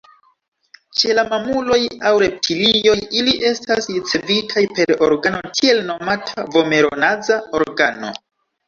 Ĉe la mamuloj aŭ reptilioj, ili estas ricevitaj per organo tiel nomata vomero-naza organo.